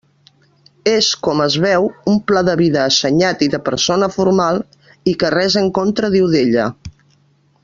És, com es veu, un pla de vida assenyat i de persona formal, i que res en contra diu d'ella.